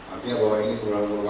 artinya bahwa ini bukan merupakan